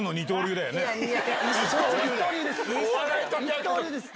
二刀流です！